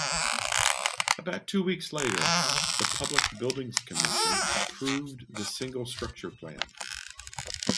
About two weeks later, the Public Buildings Commission approved the single structure plan.